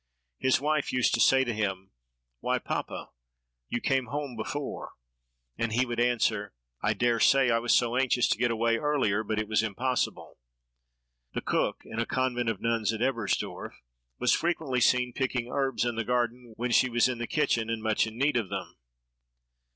His wife used to say to him, "Why, papa, you came home before;" and he would answer, "I dare say, I was so anxious to get away earlier, but it was impossible!" The cook in a convent of nuns, at Ebersdorf, was frequently seen picking herbs in the garden, when she was in the kitchen and much in need of them.